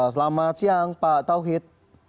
selamat siang pak tauhid